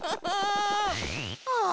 ああ！